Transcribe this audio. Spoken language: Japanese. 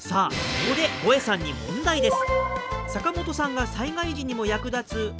ここでゴエさんに問題です。